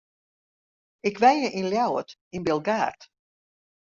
Ik wenje yn Ljouwert, yn Bilgaard.